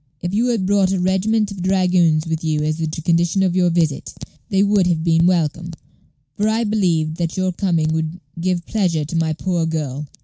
If you had brought a regiment of dragoons with you as the condition of your visit, they would have been welcome, for I believed that your coming would give pleasure to my poor girl.